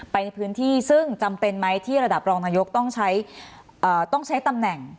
ไปในพื้นที่ซึ่งจำเป็นไหมที่ระดับรองนายกต้องใช้ต้องใช้ตำแหน่ง